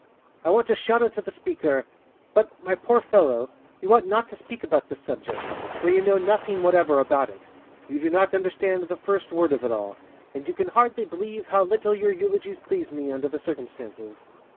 I want to shout out to the speaker: "But, my poor fellow, you ought not to speak about this subject, for you know nothing whatever about it. You do not understand the first word of it all, and you can hardly believe how little your eulogies please me, under the circumstances."